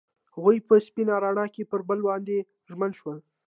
هغوی په سپین رڼا کې پر بل باندې ژمن شول.